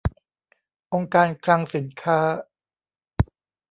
องค์การคลังสินค้า